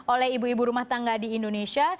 oleh ibu ibu rumah tangga di indonesia